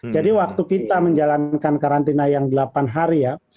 jadi waktu kita menjalankan karantina yang delapan hari ya